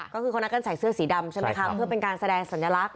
ก็คือคนที่นั่งใส่เสื้อสีดำเพื่อเป็นการแสดงสัญลักษณ์